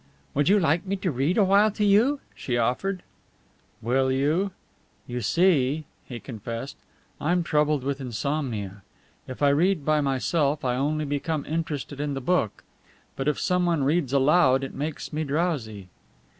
"Would you like me to read a while to you?" she offered. "Will you? You see," he confessed, "I'm troubled with insomnia. If I read by myself I only become interested in the book, but if someone reads aloud it makes me drowsy."